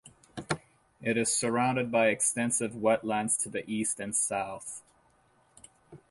It is surrounded by extensive wetlands to the east and south.